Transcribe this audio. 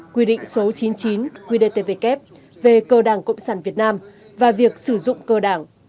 quy định số chín mươi chín qdtvk về cơ đảng cộng sản việt nam và việc sử dụng cờ đảng